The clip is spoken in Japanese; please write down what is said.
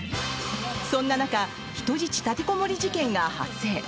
そんな中人質立てこもり事件が発生。